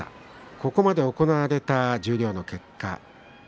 ここまで行われた十両の結果です。